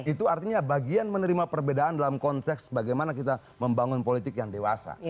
itu artinya bagian menerima perbedaan dalam konteks bagaimana kita membangun politik yang dewasa